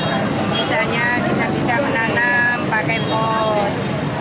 misalnya kita bisa menanam pakai pot